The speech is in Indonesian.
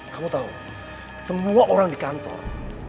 kamu tahu semua orang di kantor